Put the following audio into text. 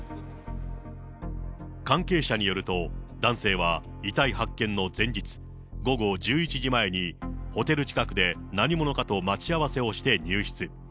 関係者によると、男性は遺体発見の前日午後１１時前に、ホテル近くで何者かと待ち合わせをして入室。